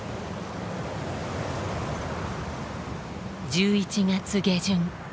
１１月下旬。